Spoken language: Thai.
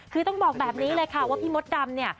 คือต้องบอกแบบนี้เลยค่ะว่าพี่มดดำเนี่ย